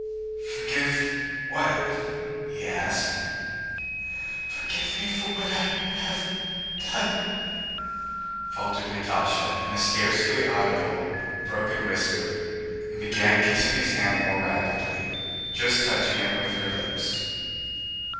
"Forgive what?" he asked. "Forgive me for what I ha ve do ne!" faltered Natásha in a scarcely audible, broken whisper, and began kissing his hand more rapidly, just touching it with her lips.